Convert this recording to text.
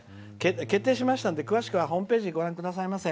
決定しましたので詳しくはホームページご覧くださいませ。